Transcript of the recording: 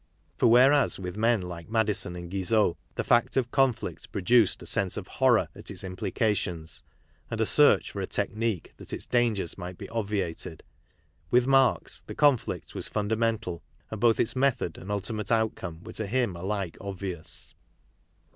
For whereas with men like Madison and Guizot, the fact of conflict produced a sense of horror at its implications, and a search for a^ technique that its dangers might be obviated, with Marx the conflict was fundamental and both its method and ultimate outcome were to him alike obvious.